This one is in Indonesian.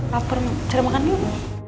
laper cari makan yuk